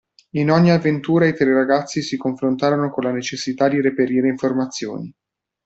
In ogni avventura i tre ragazzi si confrontano con la necessità di reperire informazioni.